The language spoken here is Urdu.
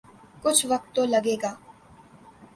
کچھ وقت تو لگے گا۔